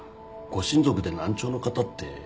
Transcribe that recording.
ご親族で難聴の方って。